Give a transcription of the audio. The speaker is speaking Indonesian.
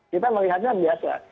kita melihatnya biasa